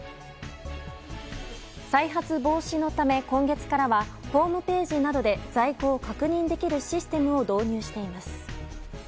再発防止のため、今月からはホームページなどで在庫を確認できるシステムを導入しています。